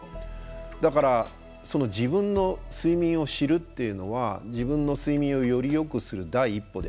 だから自分の睡眠を知るっていうのは自分の睡眠をよりよくする第一歩であるということです。